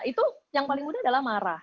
itu yang paling mudah adalah marah